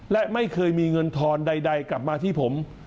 และไม่เคยมีเงินทอนใดกลับมาที่ผม